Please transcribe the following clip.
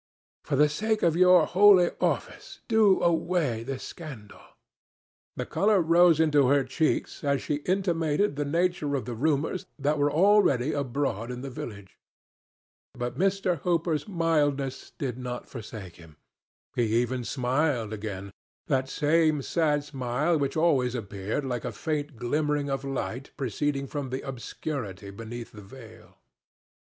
For the sake of your holy office do away this scandal." The color rose into her cheeks as she intimated the nature of the rumors that were already abroad in the village. But Mr. Hooper's mildness did not forsake him. He even smiled again—that same sad smile which always appeared like a faint glimmering of light proceeding from the obscurity beneath the veil.